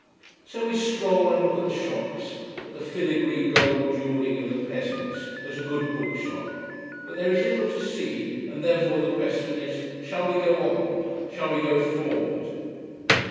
So we stroll and look at the shops, at the filigree gold jewelling of the peasants, at a good bookshop. But there is little to see and therefore the question is, shall we go on? Shall we go forward?